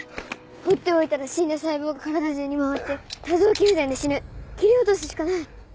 放っておいたら死んだ細胞が体中に回って多臓器不全で死ぬ切り落とすしかない！